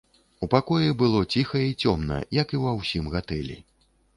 У пакоі было ціха і цёмна, як і ва ўсім гатэлі.